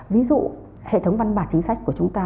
ví dụ hệ thống văn bản chính sách của chúng ta